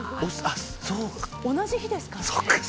同じ日ですからね。